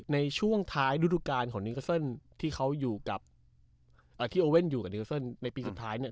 ในช่วงท้ายรูดุการของที่เขาอยู่กับเอ่อที่โอเว่นอยู่กับในปีสุดท้ายเนี้ย